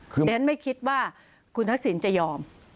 เพราะฉะนั้นไม่คิดว่าคุณทักษิณจะยอม